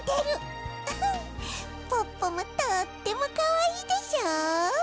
ウフッポッポもとってもかわいいでしょ？